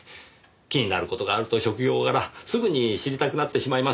気になる事があると職業柄すぐに知りたくなってしまいます。